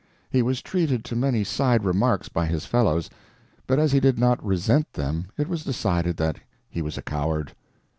He was treated to many side remarks by his fellows, but as he did not resent them it was decided that he was a coward.